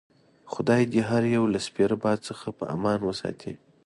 خدای دې هر یو له سپیره باد څخه په امان وساتي.